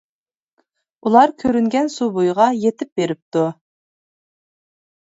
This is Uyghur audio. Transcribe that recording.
ئۇلار كۆرۈنگەن سۇ بويىغا يېتىپ بېرىپتۇ.